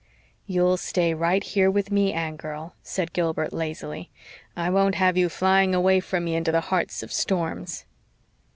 "You'll stay right here with me, Anne girl," said Gilbert lazily. "I won't have you flying away from me into the hearts of storms."